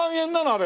あれ。